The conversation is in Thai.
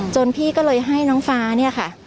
พี่ก็เลยให้น้องฟ้าเนี่ยค่ะ